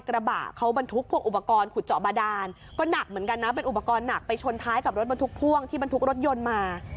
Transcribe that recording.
กระบะเขาบรรทุกพวกอุปกรณ์ขุดเจาะบาดานก็หนักเหมือนกันนะเป็นอุปกรณ์หนักไปชนท้ายกับรถบรรทุกพ่วงที่บรรทุกรถยนต์มา